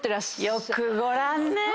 よくご覧ね！